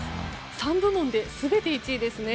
３部門で全て１位ですね。